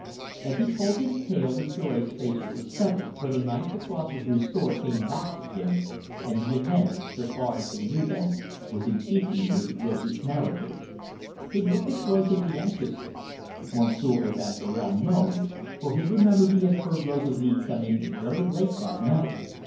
As he told his tale the Cure's face was a study, for the night the cross was restored came back to him, and the events, so far as he knew them, were in keeping with the grocer's narrative. He looked at Rosalie anxiously. Monsieur Evanturel moaned, for he remembered he had heard Rosalie come in very late that night.